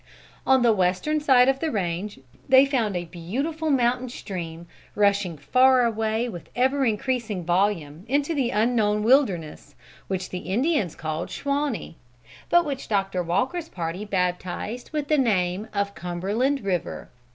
On the western side of the range they found a beautiful mountain stream, rushing far away, with ever increasing volume, into the unknown wilderness, which the Indians called Shawnee, but which Doctor Walker's party baptised with the name of Cumberland River.